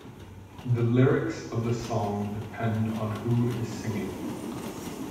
The lyrics of the song depend on who is singing.